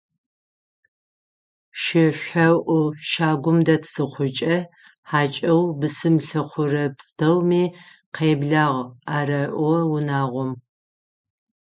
Шышӏоӏу щагум дэт зыхъукӏэ, хьакӏэу бысым лъыхъурэ пстэуми «къеблагъ» ареӏо унагъом.